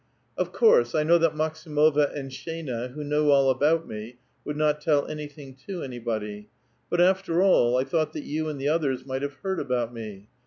'' Of course, 1 know that Maksimova and Sh^ina, who knew all about mc, would not tell anything to anybody. But, after all, 1 thought that you and the others might have heard about me.